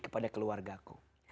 kepada keluarga ku